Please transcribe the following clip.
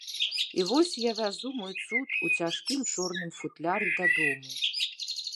І вось я вязу мой цуд у цяжкім чорным футляры дадому.